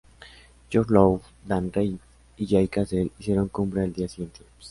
George Lowe, Dan Reid y Jay Cassell hicieron cumbre al día siguiente.